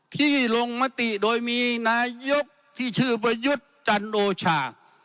ที่ลงมติโดยมีนายกที่ชื่อประยุทธ์จันโอชา